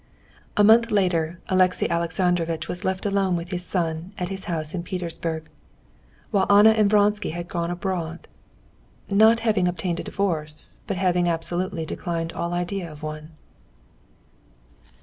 A month later Alexey Alexandrovitch was left alone with his son in his house at Petersburg, while Anna and Vronsky had gone abroad, not having obtained a divorce, but having absolutely declined all idea of one.